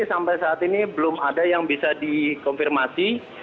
sampai saat ini belum ada yang bisa dikonfirmasi